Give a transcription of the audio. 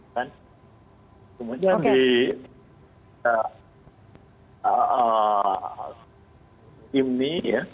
kemudian di timni